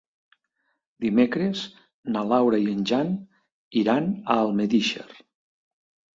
Dimecres na Laura i en Jan iran a Almedíxer.